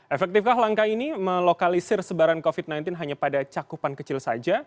efektifkah langkah ini melokalisir sebaran covid sembilan belas hanya pada cakupan kecil saja